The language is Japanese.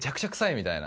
みたいな。